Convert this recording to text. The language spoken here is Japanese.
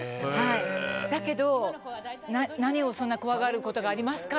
だけど、何をそんなに怖がることがありますか？